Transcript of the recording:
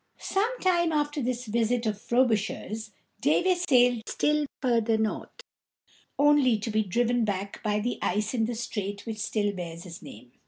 Some time after this visit of Frobisher's, Da´vis sailed still farther north, only to be driven back by the ice in the strait which still bears his name.